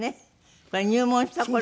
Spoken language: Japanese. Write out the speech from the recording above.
これ入門した頃の。